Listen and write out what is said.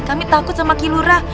kami takut sama kilurah